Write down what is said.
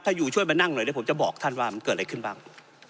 ถ้าอยู่ช่วยมานั่งหน่อยเดี๋ยวผมจะบอกท่านว่ามันเกิดอะไรขึ้นบ้าง